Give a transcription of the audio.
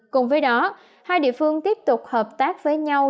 cùng với đó hai địa phương tiếp tục hợp tác với nhau